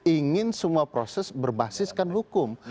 ingin semua proses berbasiskan hukum